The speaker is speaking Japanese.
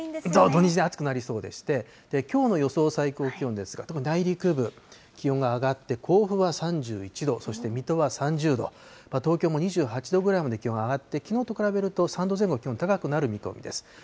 土日、暑くなりそうでして、きょうの予想最高気温ですが、特に内陸部、気温が上がって、甲府は３１度、そして水戸は３０度、東京も２８度ぐらいまで気温上がって、きのうと比べると３度前後、気温高くなる見込みです。